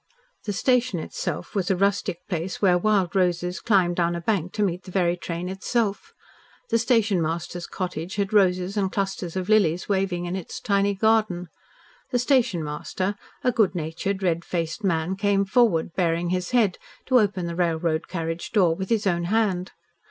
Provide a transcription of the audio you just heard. The station itself was a rustic place where wild roses climbed down a bank to meet the very train itself. The station master's cottage had roses and clusters of lilies waving in its tiny garden. The station master, a good natured, red faced man, came forward, baring his head, to open the railroad carriage door with his own hand.